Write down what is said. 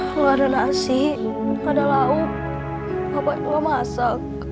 kalau ada nasi ada lauk bapak itu ga masak